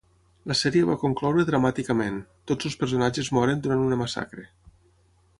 La sèrie va concloure dramàticament: tots els personatges moren durant una massacre.